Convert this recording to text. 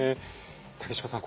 竹島さん。